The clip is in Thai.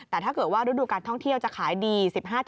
แต่ถ้าเกิดว่าฤดูการท่องเที่ยวจะขายดี๑๕